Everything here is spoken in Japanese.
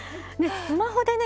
スマホでね